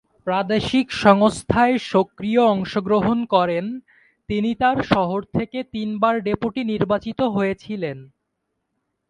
প্রাদেশিক সংস্থায় সক্রিয় অংশ গ্রহণ করেন, তিনি তার শহর থেকে তিনবার ডেপুটি নির্বাচিত হয়েছিলেন।